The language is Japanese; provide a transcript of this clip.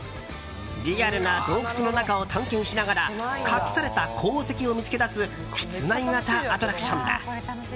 リアルな洞窟の中を探検しながら隠された鉱石を見つけ出す室内型アトラクションだ。